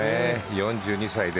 ４２歳で。